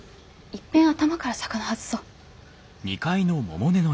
いっぺん頭から魚外そう。